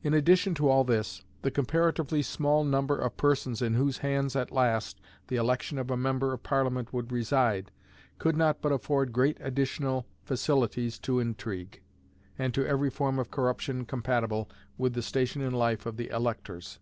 In addition to all this, the comparatively small number of persons in whose hands, at last, the election of a member of Parliament would reside, could not but afford great additional facilities to intrigue, and to every form of corruption compatible with the station in life of the electors.